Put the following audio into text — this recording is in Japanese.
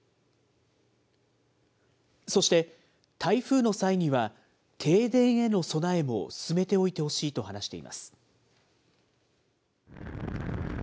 そして、台風の際には、停電への備えも進めておいてほしいと話しています。